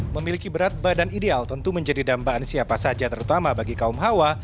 memiliki berat badan ideal tentu menjadi dambaan siapa saja terutama bagi kaum hawa